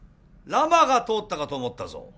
ラマが通ったかと思ったぞ。